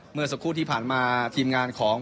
เมื่อสักครู่ที่ผ่านมาทีมงานของ